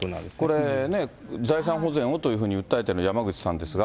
これね、財産保全をと訴えてる山口さんですが。